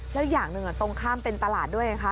แล้วอย่างหนึ่งตรงข้ามเป็นตลาดด้วยไงคะ